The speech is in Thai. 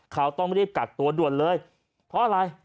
เขาต้องรีบกักตัวด่วนเลยเพราะอะไร